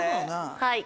はい。